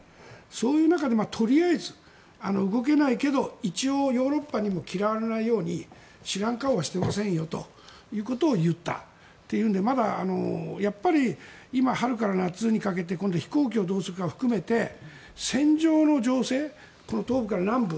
そういう中でとりあえず動けないけれども一応ヨーロッパにも嫌われないように知らん顔はしてませんよということを言ったというのでまだ今、春から夏にかけて今度、飛行機をどうするかを含めて戦場の情勢東部から南部。